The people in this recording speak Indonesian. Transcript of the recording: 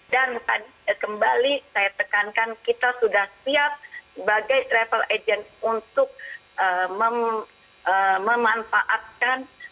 dan kembali saya tekankan kita sudah siap sebagai travel agent untuk memanfaatkan